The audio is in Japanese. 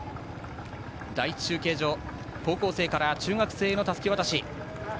第１中継所、高校生から中学生へのたすき渡し。